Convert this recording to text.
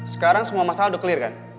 sekarang semua masalah udah clear kan